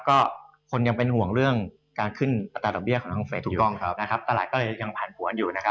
ก็คนยังเป็นห่วงเรื่องการขึ้นอัตราดอกเบี้ยของทางเฟสถูกต้องตลาดก็เลยยังผ่านผวนอยู่นะครับ